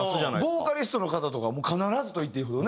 ボーカリストの方とかも必ずといっていいほどね。